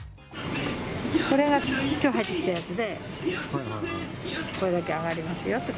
これがきょう入ってきたやつで、これだけ上がりますよと。